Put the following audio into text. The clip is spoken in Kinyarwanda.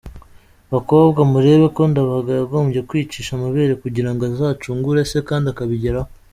Bakobwa, murebe ko Ndabaga yagombye kwicisha amabere kugira ngo azacungure se, kandi akabigeraho.